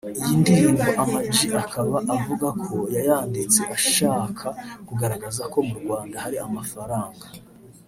Iyi ndirimbo Ama-G akaba avuga ko yayanditse ashaka kugaragaza ko mu Rwanda hari amafaranga